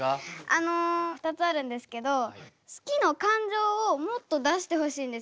あの２つあるんですけど「好き」の感情をもっと出してほしいんですよ。